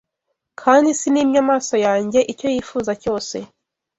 Kandi sinimye amaso yanjye icyo yifuza cyose